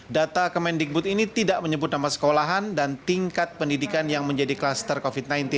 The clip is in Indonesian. data kemendikbud ini tidak menyebut nama sekolahan dan tingkat pendidikan yang menjadi kluster covid sembilan belas